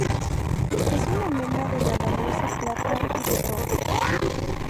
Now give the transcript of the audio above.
Es una mena de la valiosa plata y de bromo.